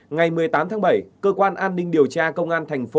ngày một mươi tám tháng bảy cơ quan an ninh điều tra công an thành phố